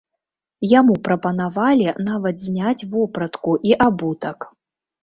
Яму прапанавалі нават зняць вопратку і абутак.